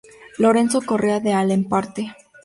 Lorenzo Correa de Alemparte.